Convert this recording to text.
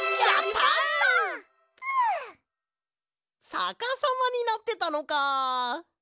さかさまになってたのか！